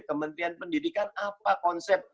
kementerian pendidikan apa konsep